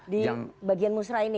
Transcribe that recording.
di bagian musra ini